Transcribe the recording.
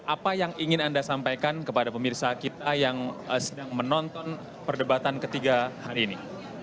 apa yang ingin anda sampaikan kepada pemirsa kita yang sedang menonton perdebatan ketiga hari ini